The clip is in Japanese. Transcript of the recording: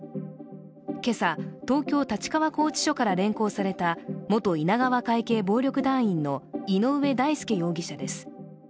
今朝、東京・立川拘置所から連行された元稲川会系暴力団員の井上大輔容疑者です。